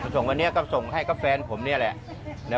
ส่งวันนี้ก็ส่งให้กับแฟนผมนี่แหละ